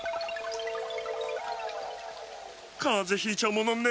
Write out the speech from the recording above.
かぜひいちゃうものね。